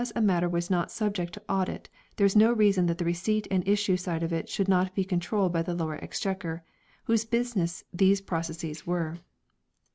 We have already suggested l that because a matter was not subjected to Audit there is no reason that the receipt and issue side of it should not be controlled by the Lower Exchequer, 2 whose business these processes were.